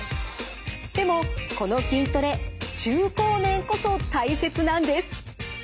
でもこの筋トレ中高年こそ大切なんです。